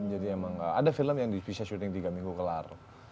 jadi emang ada film yang bisa shooting tiga minggu kelar